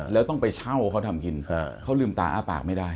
แล้วต้องไปเช่าเขาทำกินเขาลืมตาอ้าปากไม่ได้